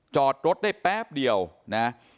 จอดรถได้แป๊บเดียวนะ